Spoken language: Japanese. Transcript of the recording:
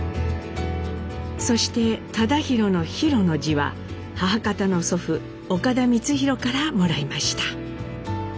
そして忠宏の「宏」の字は母方の祖父岡田光宏からもらいました。